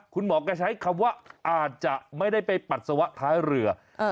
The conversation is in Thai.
คุณหมอก็ใช้คำว่าอาจจะไม่ได้ไปปัสสาวะท้ายเรือ